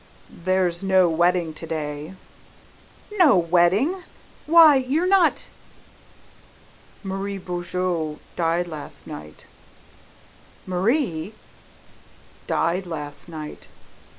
"There's no wedding to day!" "No wedding! Why, you're not " "Marie Beaujeu died last night " "Marie " "Died last night.